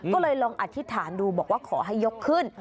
ก็เลยลองอธิษฐานดูบอกว่าขอให้ยกขึ้น